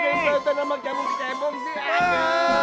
masa aku dempetan sama kecebong kecebong sih aja